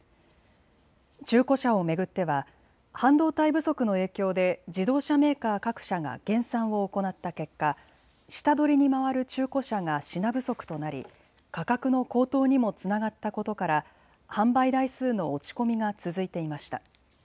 中古車を巡っては半導体不足の影響で自動車メーカー各社が減産を行った結果、下取りに回る中古車が品不足となり価格の高騰にもつながったことから販売台数の落ち込みが続いていました。